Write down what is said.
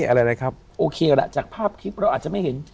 อะไรนะครับโอเคละจากภาพคลิปเราอาจจะไม่เห็น